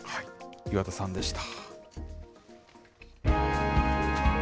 岩田さんでした。